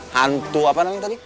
hantu apa namanya tadi